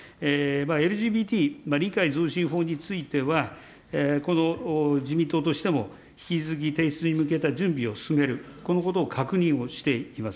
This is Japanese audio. ＬＧＢＴ理解増進法については、自民党としても引き続き提出に向けた準備を進める、このことを確認をしています。